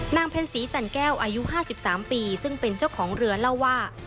เพ็ญศรีจันแก้วอายุ๕๓ปีซึ่งเป็นเจ้าของเรือเล่าว่า